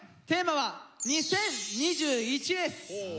テーマは「２０２１」です。